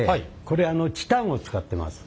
これあのチタンを使ってます。